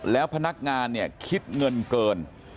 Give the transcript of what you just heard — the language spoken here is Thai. แล้วพนักงานเนี่ยคิดเงินเกิน